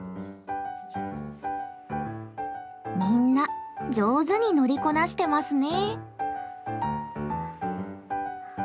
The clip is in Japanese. みんな上手に乗りこなしてますね。